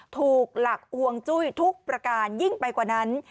ถูกหลักอวงจุ้ยทุกประการยิ่งไปกว่านั้น